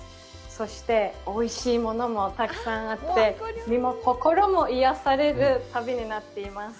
そして、おいしいものもたくさんあって、身も心も癒やされる旅になっています。